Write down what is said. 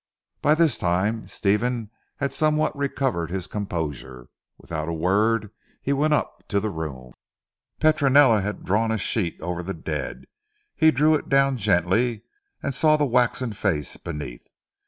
By this time Stephen had somewhat recovered his composure. Without a word he went up to the room. Petronella had drawn a sheet over the dead. He drew it down gently, and saw the waxen face beneath.